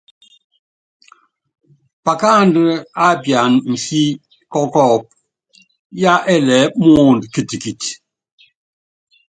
Pakáandú á piana mfí kɔ́kɔ́ɔ́pú yɛ́lɛɛ́ muundɔ kitikiti.